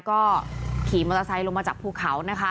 ก็ขี่มอเตอร์ไซค์ลงมาจากภูเขานะคะ